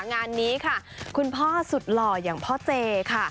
งานนี้ค่ะคุณพ่อสุดหล่ออย่างพ่อเจค่ะ